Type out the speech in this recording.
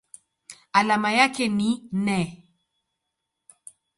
Alama yake ni Ne.